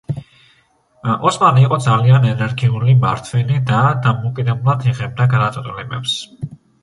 ოსმანი იყო ძალიან ენერგიული მმართველი და დამოუკიდებლად იღებდა გადაწყვეტილებებს.